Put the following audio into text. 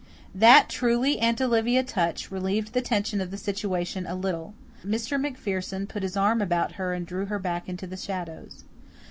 That truly Aunt Olivia touch relieved the tension of the situation a little. Mr. MacPherson put his arm about her and drew her back into the shadows.